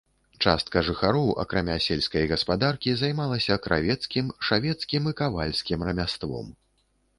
Частка жыхароў, акрамя сельскай гаспадаркі, займалася кравецкім, швецкім і кавальскім рамяством.